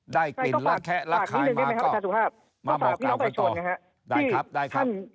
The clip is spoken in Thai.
ได้กลิ่นและแค่รักข่ายมาก็มาหมอก่าวกันต่อ